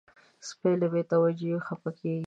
سپي له بې توجهۍ خپه کېږي.